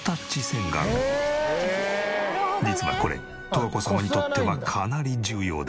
実はこれ十和子様にとってはかなり重要で。